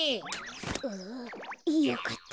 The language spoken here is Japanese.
ああよかった。